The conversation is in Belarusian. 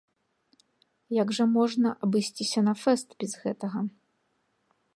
Як жа можна абысціся на фэст без гэтага.